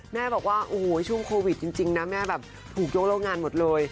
แม่บอกว่าโอ้โหช่วงโควิดจริงนะแม่แบบถูกยกเลิกงานหมดเลย